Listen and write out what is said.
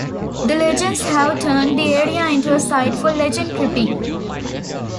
The legends have turned the area into a site for legend tripping.